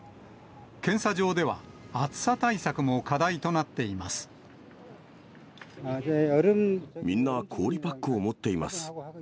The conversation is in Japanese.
検査場では、暑さ対策も課題となみんな、氷パックを持っています。